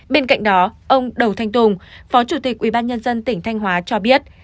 bên cạnh đó ông đầu thanh tùng phó chủ tịch ubnd tỉnh thanh hóa cho biết